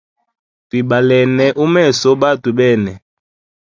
Twibalene umeso batwe bene.